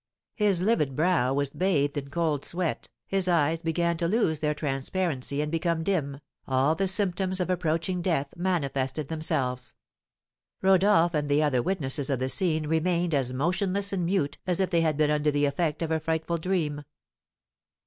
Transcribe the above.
His livid brow was bathed in cold sweat, his eyes began to lose their transparency and become dim, all the symptoms of approaching death manifested themselves. Rodolph and the other witnesses of the scene remained as motionless and mute as if they had been under the effect of a frightful dream.